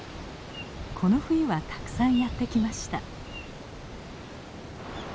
この冬はたくさんやって来ました。